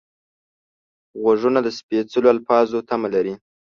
غوږونه د سپېڅلو الفاظو تمه لري